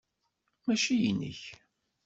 Mačči inek.